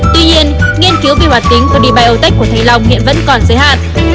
tuy nhiên nghiên cứu vi hoạt tính prebiotech của thanh long hiện vẫn còn giới hạn